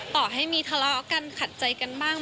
ต่อให้มีทะเลาะกันขัดใจกันบ้าง